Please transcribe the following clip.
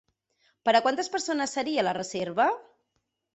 Per a quantes persones seria la reserva?